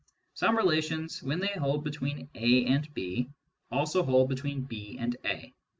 Some relations, when they hold between A and ] hold between B and A.